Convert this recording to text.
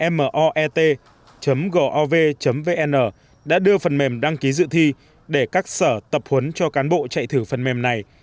moet gov vn đã đưa phần mềm đăng ký dự thi để các sở tập huấn cho cán bộ chạy thử phần mềm này